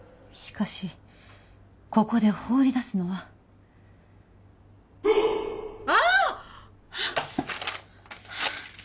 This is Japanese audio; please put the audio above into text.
しかしここで放り出すのはああっ！